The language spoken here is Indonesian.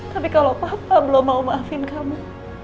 tapi kalau papa belum mau maafin kamu